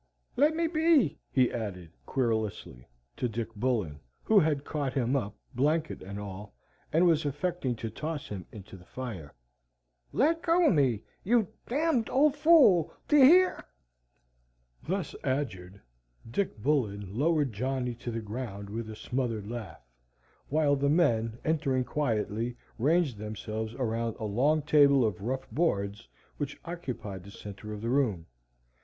"Let me be," he added, querulously, to Dick Bullen, who had caught him up, blanket and all, and was affecting to toss him into the fire, "let go o' me, you d d old fool, d'ye hear?" Thus adjured, Dick Bullen lowered Johnny to the ground with a smothered laugh, while the men, entering quietly, ranged themselves around a long table of rough boards which occupied the centre of the room.